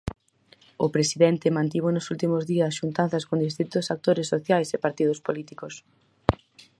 O presidente mantivo nos últimos días xuntanzas con distintos actores sociais e partidos políticos.